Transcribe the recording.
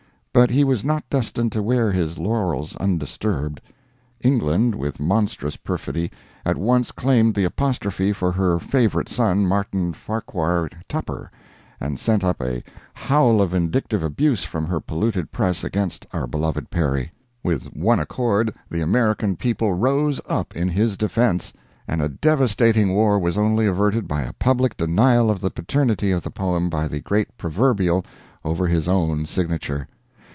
But he was not destined to wear his laurels undisturbed: England, with monstrous perfidy, at once claimed the "Apostrophe" for her favorite son, Martin Farquhar Tupper, and sent up a howl of vindictive abuse from her polluted press against our beloved Perry. With one accord, the American people rose up in his defense, and a devastating war was only averted by a public denial of the paternity of the poem by the great Proverbial over his own signature.